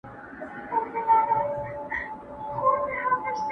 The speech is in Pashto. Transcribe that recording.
نه دېوال نه كنډواله نه قلندر وو!!